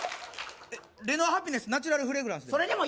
レノアハピネスナチュラルフレグランスでも？